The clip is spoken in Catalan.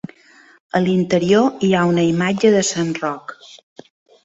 A l'interior hi ha una imatge de Sant Roc.